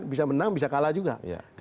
bisa menang bisa kalah juga